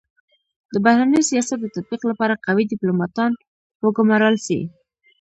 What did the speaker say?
د بهرني سیاست د تطبیق لپاره قوي ډيپلوماتان و ګمارل سي.